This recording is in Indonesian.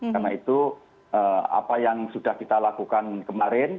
karena itu apa yang sudah kita lakukan kemarin